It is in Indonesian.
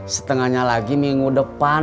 setengahnya lagi minggu depan